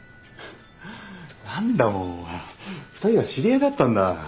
何だもう２人は知り合いだったんだ。